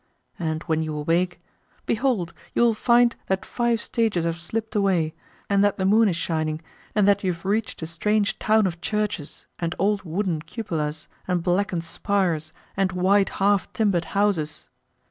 And when you awake behold! you will find that five stages have slipped away, and that the moon is shining, and that you have reached a strange town of churches and old wooden cupolas and blackened spires and white, half timbered houses!